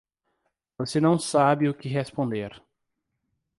Você não sabe o que responder.